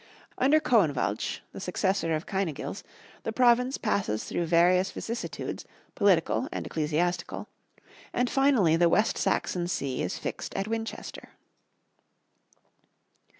Under Coinwalch, the successor of Cynegils, the province passes through various vicissitudes, political and ecclesiastical, and finally the West Saxon see is fixed at Winchester.